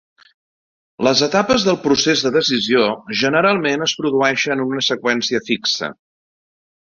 Les etapes del procés de decisió generalment es produeixen en una seqüència fixa.